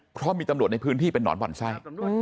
เพราะมีตำรวจในพื้นที่เป็นนอนบ่อนไส้